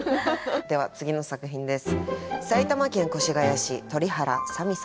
では次の作品です。